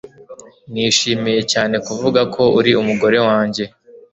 nishimiye cyane kuvuga ko uri umugore wanjye